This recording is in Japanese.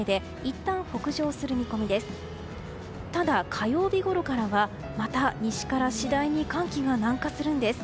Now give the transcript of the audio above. ただ、火曜日ごろからはまた西から次第に寒気が南下するんです。